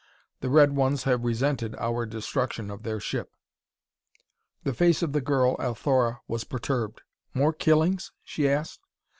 The red ones have resented our destruction of their ship." The face of the girl, Althora, was perturbed. "More killings?" she asked.